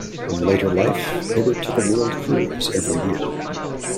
In later life, Hibbert took a world cruise every year.